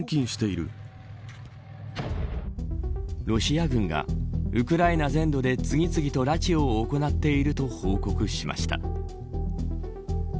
ロシア軍がウクライナ全土で次々と拉致を行っていると報告しました。